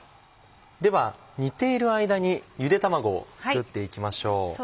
では煮ている間にゆで卵を作って行きましょう。